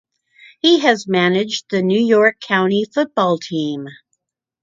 He has managed the New York county football team.